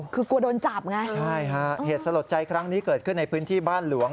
คือกลัวโดนจับไงใช่ฮะเหตุสลดใจครั้งนี้เกิดขึ้นในพื้นที่บ้านหลวง